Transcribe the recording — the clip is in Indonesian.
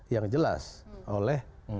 yang jelas oleh